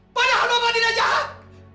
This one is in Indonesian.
padahal bapak dina jahat